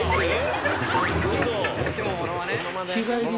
えっ？